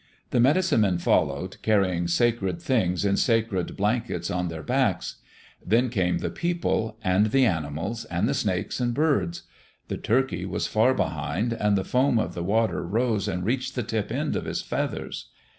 The medicine men followed, carrying sacred things in sacred blankets on their backs. Then came the people, and the animals, and the snakes, and birds. The turkey was far behind and the foam of the water rose and reached the tip ends of his feathers.